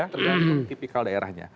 terlihat tipikal daerahnya